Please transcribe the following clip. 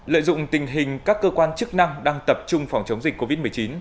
lợi dụng tình hình các cơ quan chức năng đang tập trung phòng chống dịch covid một mươi chín